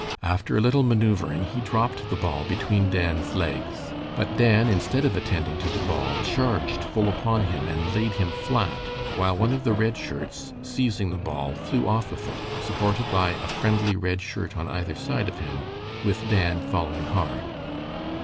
After a little manoeuvering he dropped the ball between Dan's legs, but Dan, instead of attending to the ball, charged full upon him and laid him flat, while one of the Red Shirts, seizing the ball, flew off with it, supported by a friendly Red Shirt on either side of him, with Dan following hard.